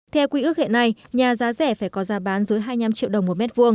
theo quý ước hiện nay nhà giá rẻ phải có giá bán dưới hai mươi năm triệu đồng một m hai